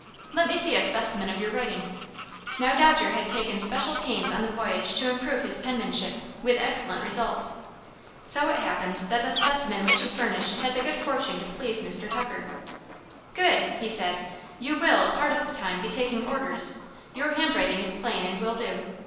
"Let me see a specimen of your writing." Now Dodger had taken special pains on the voyage to improve his penmanship, with excellent results. So it happened that the specimen which he furnished had the good fortune to please Mr. Tucker. "Good!" he said. "You will, a part of the time, be taking orders. Your handwriting is plain and will do.